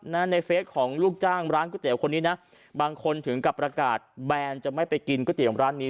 ในเฟสของลูกจ้างร้านก๋วยเตี๋ยวคนนี้นะบางคนถึงกับประกาศแบนจะไม่ไปกินก๋วยเตี๋ยวร้านนี้